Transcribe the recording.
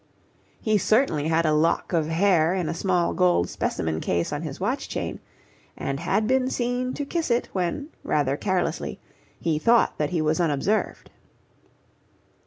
He certainly had a lock of hair in a small gold specimen case on his watch chain, and had been seen to kiss it when, rather carelessly, he thought that he was unobserved.